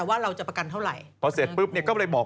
ว่าตัวนี้มันตายเอง